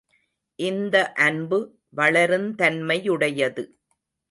இந்த அன்பு வளருந்தன்மையுடையது.